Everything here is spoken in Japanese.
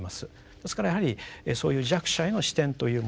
ですからやはりそういう弱者への視点というもの